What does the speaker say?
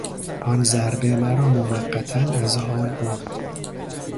آن ضربه مرا موقتا از حال برد.